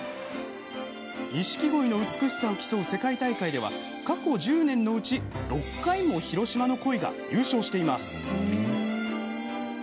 ニシキゴイの美しさを競う世界大会では過去１０年のうち６回も広島のコイが優勝しています。